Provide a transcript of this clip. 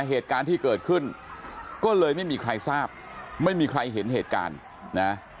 เหตุการณ์ที่เกิดขึ้นก็เลยไม่มีใครทราบไม่มีใครเห็นเหตุการณ์นะ